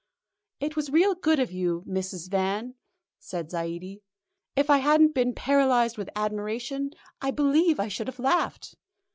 "It was real good of you, Mrs. Van," said Zaidie. "If I hadn't been paralysed with admiration I believe I should have laughed.